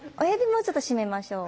もうちょっと締めましょう。